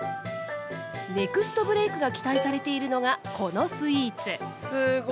ネクストブレークが期待されているのがこのスイーツ。